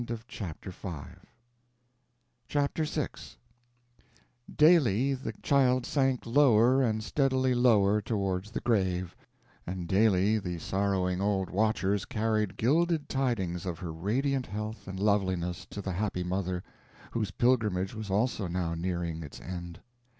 CHAPTER VI Daily the child sank lower and steadily lower towards the grave, and daily the sorrowing old watchers carried gilded tidings of her radiant health and loveliness to the happy mother, whose pilgrimage was also now nearing its end.